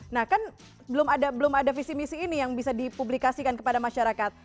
nah kan belum ada visi misi ini yang bisa dipublikasikan kepada masyarakat